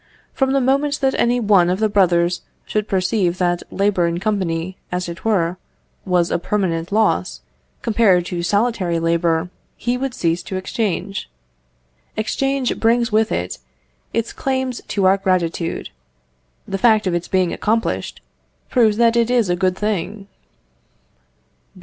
From the moment that any one of the brothers should perceive that labour in company, as it were, was a permanent loss, compared to solitary labour, he would cease to exchange. Exchange brings with it its claim to our gratitude. The fact of its being accomplished, proves that it is a good thing.